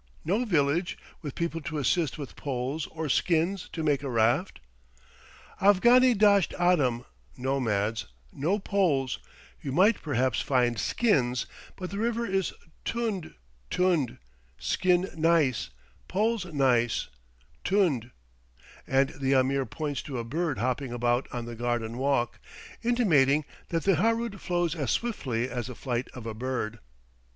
"No village, with people to assist with poles or skins to make a raft?" "Afghani dasht adam (nomads), no poles; you might perhaps find skins; but the river is tund t u n d! skins neis, poles neis; t u n d!!" and the Ameer points to a bird hopping about on the garden walk, intimating that the Harood flows as swiftly as the flight of a bird.